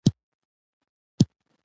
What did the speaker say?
د بيا رغونې هڅې له لویو ستونزو سره مخ دي